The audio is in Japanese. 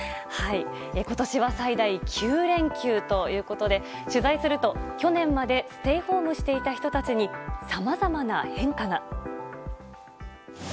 今年は最大９連休ということで取材すると去年までステイホームしていた人たちにさまざまな変化が。